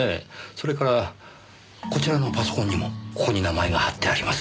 それからこちらのパソコンにもここに名前が貼ってあります。